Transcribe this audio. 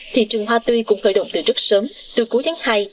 thị trường hoa tươi cũng khởi động từ rất sớm từ cuối tháng hai